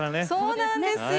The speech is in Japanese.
そうなんですよ。